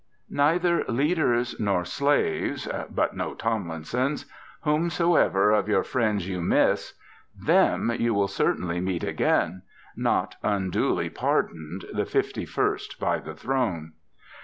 Neither leaders nor slaves but no Tomlinsons! whomsoever of your friends you miss, them you will certainly meet again, not unduly pardoned, the fifty first by the Throne.